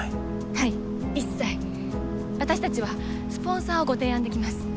はい一切私達はスポンサーをご提案できます